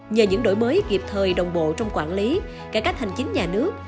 nhờ những đổi mới kịp thời đồng bộ trong quản lý cải cách hành chính nhà nước